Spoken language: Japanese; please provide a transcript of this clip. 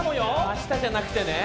明日じゃなくてね。